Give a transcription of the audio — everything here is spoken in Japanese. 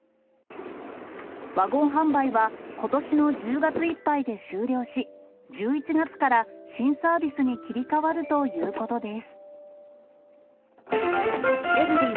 ワゴン販売はことしの１０月いっぱいで終了し、１１月から新サービスに切り替わるということです。